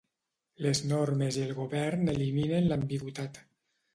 Les normes i el govern eliminen l'ambigüitat.